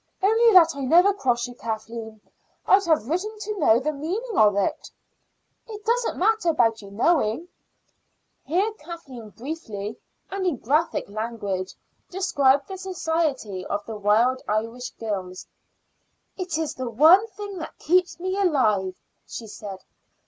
Only that I never cross you, Kathleen, I'd have written to know the meaning of it." "It doesn't matter about you knowing." Here Kathleen briefly and in graphic language described the Society of the Wild Irish Girls. "It is the one thing that keeps me alive," she said.